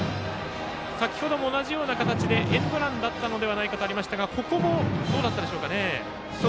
先程も同じような形でエンドランだったんじゃないかとありましたがここはどうだったでしょうか？